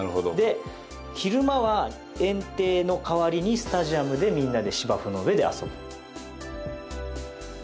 昼間は園庭の代わりにスタジアムでみんなで芝生の上で遊ぶ。